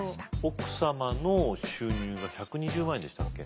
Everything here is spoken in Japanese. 奥様の収入が１２０万円でしたっけ？